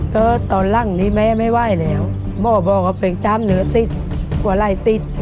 ก็ตอนหลังนี้แม่ไม่ไหว้แล้วหมอบอกว่าเป็นน้ำเหลือติดกว่าไล่ติด